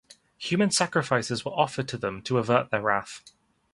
Human sacrifices were offered to them to avert their wrath.